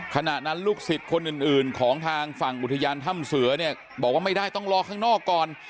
ขณะนั้นลูกศิษย์คนอื่นของทางฝั่งอุทยานถ้ำเสือเนี่ยบอกว่าไม่ได้ต้องรอข้างนอกก่อน